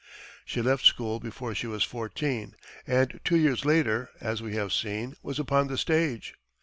She left school before she was fourteen, and two years later, as we have seen, was upon the stage.